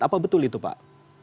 apa betul itu pak